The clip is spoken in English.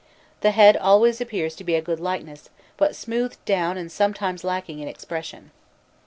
The head always appears to be a good likeness, but smoothed down and sometimes lacking in expression.